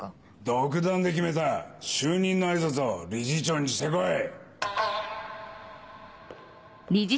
独断で決めた就任の挨拶を理事長にして来い。